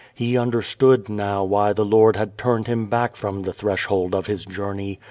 He understood now why the Lord had tumed him back from the threshold of his journey.